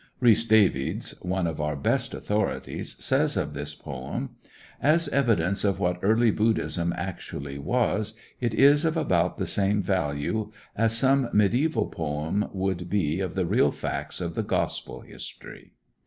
Rhys Davids, one of our best authorities, says of this poem: "As evidence of what early Buddhism actually was, it is of about the same value as some mediæval poem would be of the real facts of the gospel history."